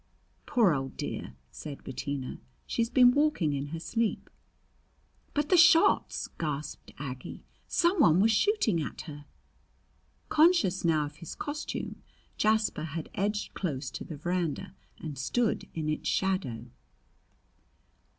"Poor old dear!" said Bettina. "She's been walking in her sleep!" "But the shots!" gasped Aggie. "Some one was shooting at her!" Conscious now of his costume, Jasper had edged close to the veranda and stood in its shadow.